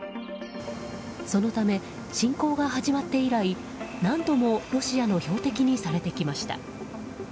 そのため、侵攻が始まって以来何度もロシアの標的にされてきました。